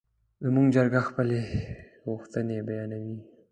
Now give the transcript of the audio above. زموږ چرګه خپلې غوښتنې بیانوي.